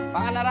bang nda ya